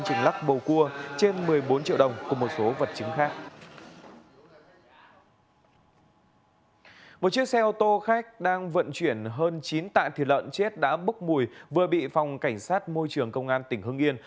xe ô tô khách đang vận chuyển hơn chín tạ thịt lợn chết đã bốc mùi vừa bị phòng cảnh sát môi trường công an tỉnh hưng yên